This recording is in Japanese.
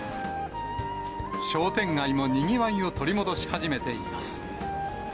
商店街もにぎわいを取り戻し始めています。